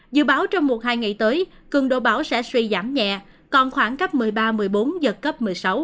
dự báo trong một hai ngày tới cường độ báo sẽ suy giảm nhẹ còn khoảng cấp một mươi ba một mươi bốn giật cấp một mươi sáu